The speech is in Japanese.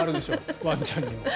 ワンちゃんにも。